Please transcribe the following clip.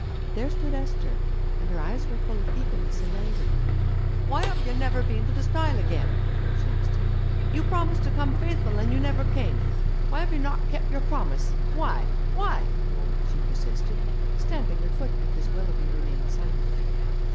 There stood Esther, and her eyes were full of eagerness and anger. 'Why have you never been to the stile again?' she asked him. 'You promised to come faithful, and you never came. Why have you not kep' your promise? Why? Why?' she persisted, stamping her foot because Willoughby remained silent.